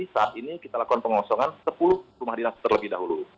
saat ini kita lakukan pengosongan sepuluh rumah dinas terlebih dahulu